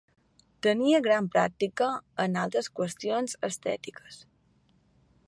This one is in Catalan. Tenia gran pràctica en altes qüestions estètiques.